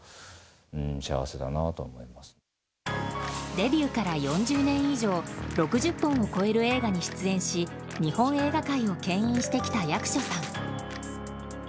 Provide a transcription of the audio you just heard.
デビューから４０年以上６０本を超える映画に出演し日本映画界をけん引してきた役所さん。